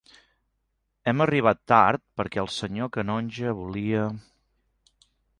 Hem arribat tard perquè el senyor canonge volia...